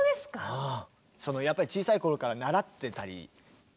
うん。